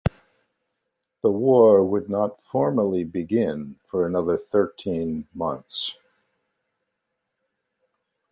The war would not formally begin for another thirteen months.